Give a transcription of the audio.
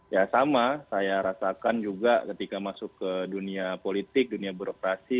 ya sama saya rasakan juga ketika masuk ke dunia politik dunia birokrasi